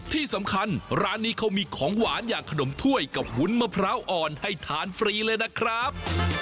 ที่สำคัญร้านนี้เขามีของหวานอย่างขนมถ้วยกับวุ้นมะพร้าวอ่อนให้ทานฟรีเลยนะครับ